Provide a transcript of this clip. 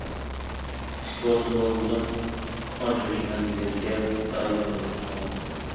ئىش بولسۇن بولمىسۇن، ئاجرىشىمەن دېگەن گەپ دائىملا بولۇپ تۇرغان.